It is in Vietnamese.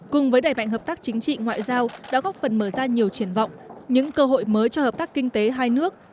cùng với đẩy mạnh hợp tác chính trị ngoại giao đã góp phần mở ra nhiều triển vọng những cơ hội mới cho hợp tác kinh tế hai nước